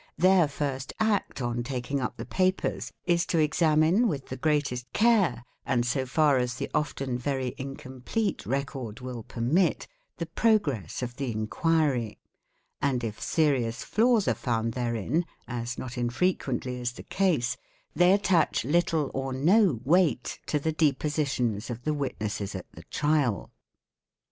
Their first act on taking up the papers is to examine, with the greatest care and so far as the often very incomplete record will permit, the progress of the inquiry ; and if serious flaws are found therein, as not infrequently is the case, they attach little or no weight to the depositions of the witnesses at the trial.